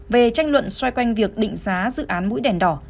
về tranh luận xoay quanh việc định giá dự án mũi đèn đỏ